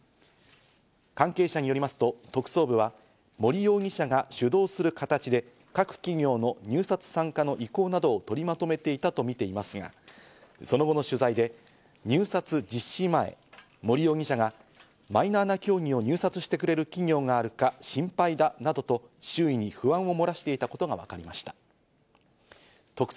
関係者によりますと特捜部は、森容疑者が主導する形で各企業の入札参加の意向などを取りまとめていたとみていますが、その後の取材で、入札実施前、森容疑者がマイナーな競技を入札してくれる企業があるか心配だなどと周囲に不安を漏らしていたことがわかりました。